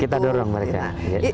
kita dorong mereka